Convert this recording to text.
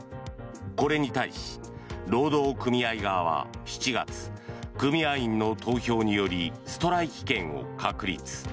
これに対し、労働組合側は７月組合員の投票によりストライキ権を確立。